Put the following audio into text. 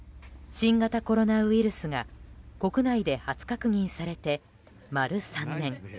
新型コロナウイルスが国内で初確認されて、丸３年。